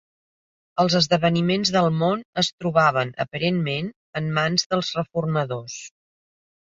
Els esdeveniments del món es trobaven, aparentment, en mans dels reformadors.